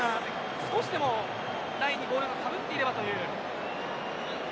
少しでもボールにラインがかぶっていればという。